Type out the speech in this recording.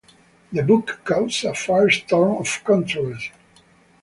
The book caused a firestorm of controversy.